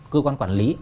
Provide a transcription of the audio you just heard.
cơ quan quản lý